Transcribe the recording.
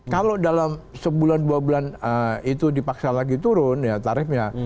kalau dalam sebulan dua bulan itu dipaksa lagi turun ya tarifnya